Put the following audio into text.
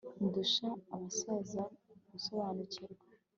ndusha abasaza gusobanukirwa